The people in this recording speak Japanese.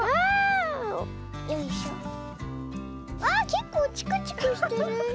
けっこうチクチクしてる。